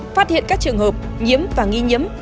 phát hiện các trường hợp nhiếm và nghi nhiếm